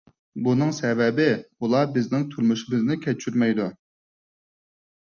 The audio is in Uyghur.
بۇنىڭ سەۋەبى، ئۇلار بىزنىڭ تۇرمۇشىمىزنى كەچۈرمەيدۇ.